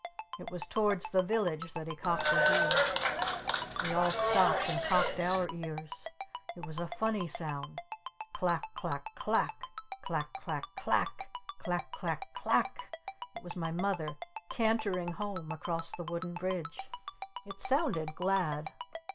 It was towards the village that he cocked his ear. We all stopped and cocked our ears. It was a funny sound: Clack Clack Clack! Clack Clack Clack! Clack Clack Clack! It was my Mother cantering home across the wooden bridge. It sounded glad.